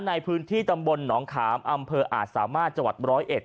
ในพื้นที่ตำบลหนองขามอำเภออาจสามารถจวัตร๑๐๑